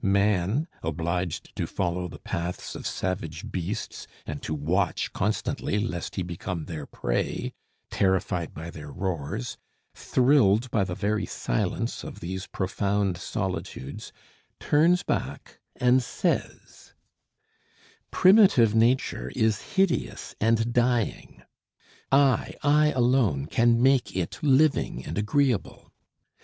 Man, obliged to follow the paths of savage beasts and to watch constantly lest he become their prey, terrified by their roars, thrilled by the very silence of these profound solitudes, turns back and says: Primitive nature is hideous and dying; I, I alone, can make it living and agreeable.